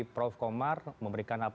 prof komar memberikan apa yang